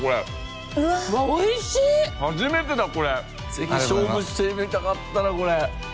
ぜひ勝負してみたかったなこれ。